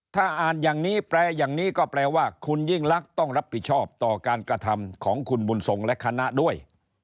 ถ้าอ่านอย่างนี้แปลอย่างนี้ก็แปลว่าคุณยิ่งลักษณ์ต้องรับผิดชอบต่อการกระทำของคุณบุญทรงและคณะด้วย